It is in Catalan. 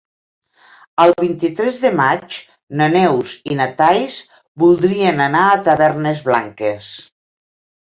El vint-i-tres de maig na Neus i na Thaís voldrien anar a Tavernes Blanques.